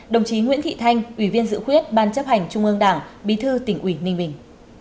đồng chí nguyễn thị thanh ủy viên dự khuyết ban chấp hành trung ương đảng bí thư tỉnh ủy ninh bình